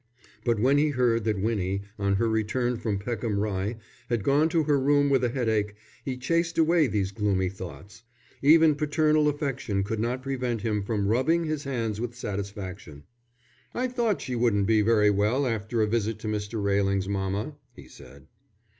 But when he heard that Winnie, on her return from Peckham Rye, had gone to her room with a headache, he chased away these gloomy thoughts. Even paternal affection could not prevent him from rubbing his hands with satisfaction. "I thought she wouldn't be very well after a visit to Mr. Railing's mamma," he said.